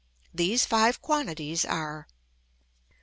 These five quantities are: 1.